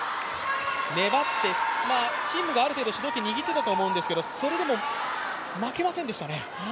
粘って、陳夢がある程度、主導権握ってたと思うんですけどそれでも負けませんでしたね。